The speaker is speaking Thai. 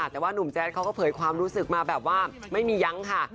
แต่ว่านุ่มแจ๊ดเขาก็เผยความรู้สึกมาแบบว่าไม่มียั้งค่ะ